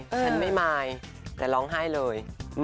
ฉันไม่มายแต่ร้องไห้เลย